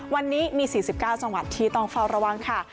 วันนี้มี๔๙จังหวัดที่ต้องเฝ้าระวังค่ะ